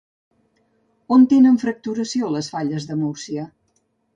On tenen fracturació les falles de Múrcia?